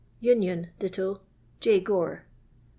Union ditto J. Gore.